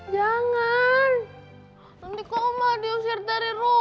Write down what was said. jangan nanti kok umah diusir dari rumah